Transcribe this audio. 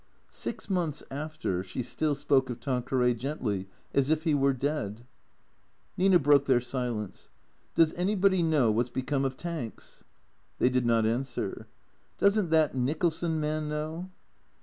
Six months after, she still spoke of Tanqueray gently, as if he were dead. Nina broke their silence. " Does anybody know what 's become of Tanks ?" They did not answer. "Doesn't that Nicholson man know?"